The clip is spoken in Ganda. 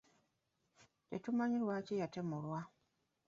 Tetumanyi lwaki yatemulwa.